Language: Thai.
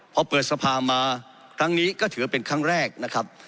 พอเปิดสภามาครั้งนี้ก็ถือเป็นครั้งแรกนะครับ